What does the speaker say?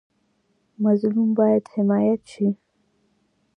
مظلوم باید حمایت شي